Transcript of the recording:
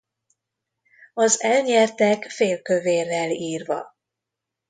Az elnyertek félkövérrel írva.